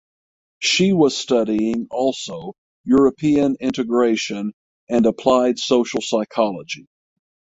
She was studying also European integration and applied social psychology.